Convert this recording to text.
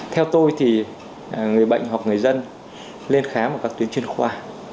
theo tôi thì người bệnh hoặc người dân lên khám ở các tuyến chuyên khoa